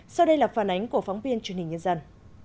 sau đây là phản ánh của phóng viên truyền hình nhân dân